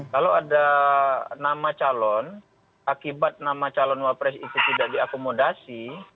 kalau ada nama calon akibat nama calon wapres itu tidak diakomodasi